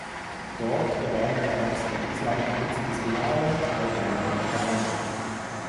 Dort gewann er auch sein bislang einziges Finale bei einem Challenger.